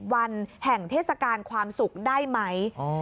วันแห่งเทศกาลความสุขได้ไหม